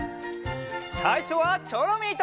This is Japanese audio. さいしょはチョロミーと。